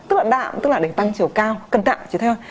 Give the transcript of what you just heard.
tức là đạm tức là để tăng chiều cao cân tạm